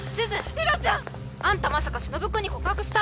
ヒロちゃん！あんたまさかしのぶくんに告白した？